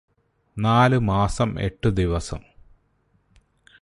നാലു മാസം എട്ടു ദിവസം